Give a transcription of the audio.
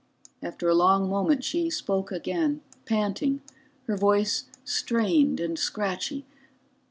After a long moment she spoke again, panting, her voice strained and scratchy.